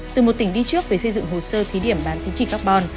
từ một tỉnh đi trước về xây dựng hồ sơ thí điểm bán tính trị carbon